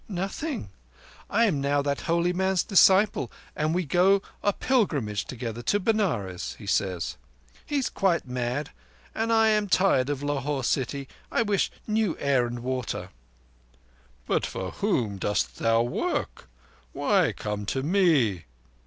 "Nothing. I am now that holy man's disciple; and we go a pilgrimage together—to Benares, he says. He is quite mad, and I am tired of Lahore city. I wish new air and water." "But for whom dost thou work? Why come to me?"